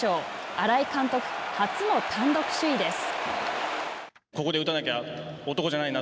新井監督、初の単独首位です。